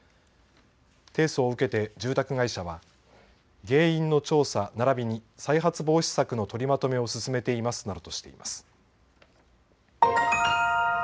提訴を受けて住宅会社は原因の調査、ならびに再発防止策の取りまとめを進めていますなどとしています。